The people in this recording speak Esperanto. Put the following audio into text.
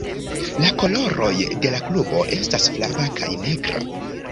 La koloroj de la klubo estas flava kaj negra.